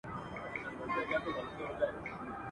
د دنیا هستي لولۍ بولی یارانو !.